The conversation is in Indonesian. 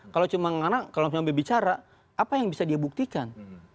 kalau cuma anak kalau berbicara apa yang bisa dia buktikan